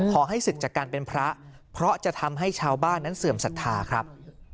ขอให้ศึกจากการเป็นพระเพราะจะทำให้ชาวบ้านนั้นเสื่อมศรัทธาครับ